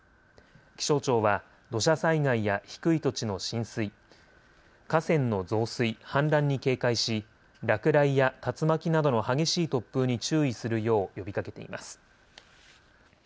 気象庁は土砂災害や低い土地の浸水、河川の増水、氾濫に警戒し落雷や竜巻などの激しい突風に注意するよう呼びかけています。